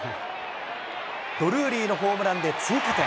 ドルーリーのホームランで追加点。